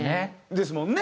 ですもんね。